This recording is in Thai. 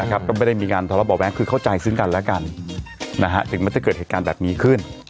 ก็ไม่ได้มีการทะเลาะเบาะแว้งคือเข้าใจซึ่งกันแล้วกันถึงมันจะเกิดเหตุการณ์แบบนี้ขึ้น